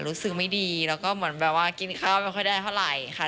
รู้สึกไม่ดีแล้วก็เหมือนแบบว่ากินข้าวไม่ค่อยได้เท่าไหร่ค่ะ